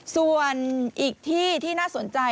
ส่วนอีกที่ที่น่าสนใจ